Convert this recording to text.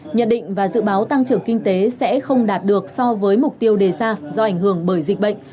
nhận định và dự báo tăng trưởng kinh tế sẽ không đạt được so với mục tiêu đề ra do ảnh hưởng bởi dịch bệnh